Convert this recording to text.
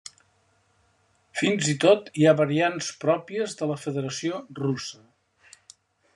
Fins i tot hi ha variants pròpies de la Federació Russa.